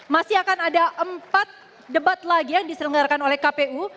masih akan ada empat debat lagi yang diselenggarakan oleh kpu